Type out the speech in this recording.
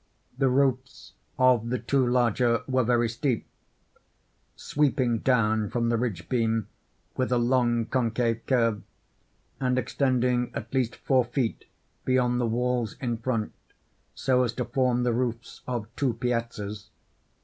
The roofs of the two larger were very steep—sweeping down from the ridge beam with a long concave curve, and extending at least four feet beyond the walls in front, so as to form the roofs of two piazzas.